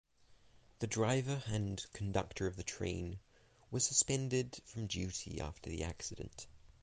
The driver and conductor of the train were suspended from duty after the accident.